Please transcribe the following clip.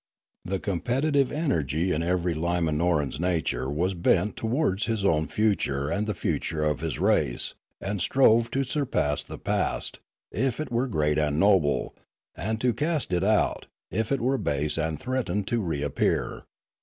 The competitive energy in every Limanoran's nature was bent towards his own future and the future of his race, and strove to surpass the past, if it were great and noble, and to cast it out, if it were base and threatened to reappear.